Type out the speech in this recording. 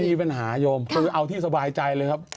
มีปัญหาโยมคือเอาที่สบายใจเลยครับ